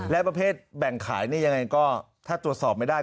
และประเภทแบ่งขายนี่ยังไงก็ถ้าตรวจสอบไม่ได้